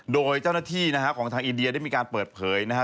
โดยเจ้าหน้าที่นะฮะของทางอินเดียได้มีการเปิดเผยนะฮะ